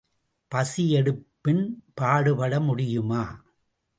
பசி எடுப்பின் பாடுபட முடியுமா?